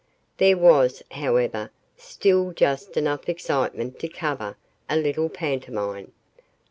There was, however, still just enough excitement to cover a little pantomime.